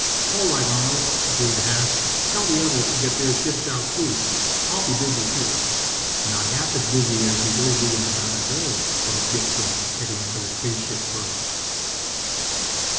"All right, Arnold," agreed Haas. "Tell the others to get their ships out too. I'll be busy here." Not half as busy as you will be in about a day, thought Gibson, heading for the spaceship berths.